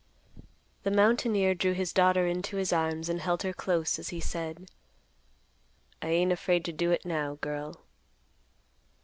The mountaineer drew his daughter into his arms, and held her close, as he said, "I ain't afraid to do it, now, girl."